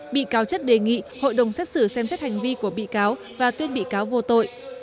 bị cáo chất đề nghị hội đồng xét xử xem xét hành vi của bị cáo và tuyên bị cáo vô tội